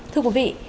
thưa quý vị